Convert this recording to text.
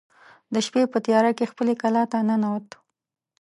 د شپې په تیاره کې خپلې کلا ته ننوت.